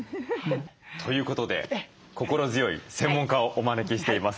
ということで心強い専門家をお招きしています。